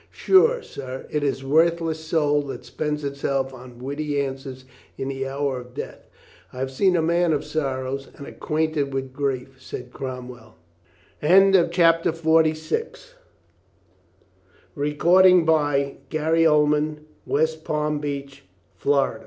Sure, sir, it is a worthless soul that spends itself on witty answers in the hour of death." "I have seen a man of sorrows and acquainted with grief," said Cromwell. CHAPTER FORTY SIX LUCINDA IS LOGICAL ^~^ OLO